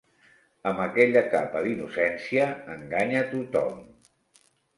Amb aquella capa d'innocència enganya tothom.